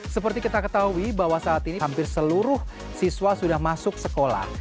seperti kita ketahui bahwa saat ini hampir seluruh siswa sudah masuk sekolah